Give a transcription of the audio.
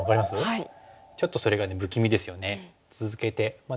はい。